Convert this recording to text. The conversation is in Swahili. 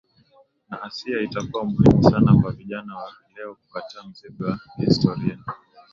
na Asia Itakuwa muhimu sana kwa vijana wa leo kukataa mzigo wa historia